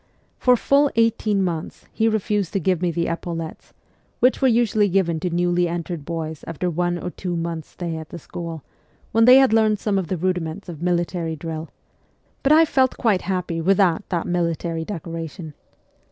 For full eighteen months he refused to give me the epaulettes, which were usually given to newly entered boys after one or two months' stay at the school, when they had learned some of the rudiments THE CORPS OF PAGES 96 of military drill ; but I felt quite happy without that military decoration.